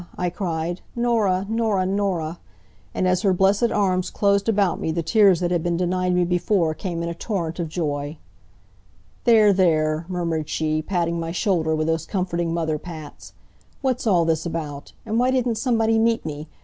I cried, "Norah! Norah! Norah!" And as her blessed arms closed about me the tears that had been denied me before came in a torrent of joy. "There, there!" murmured she, patting my shoulder with those comforting mother pats. "What's all this about? And why didn't somebody meet me?